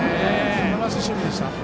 すばらしい守備でした。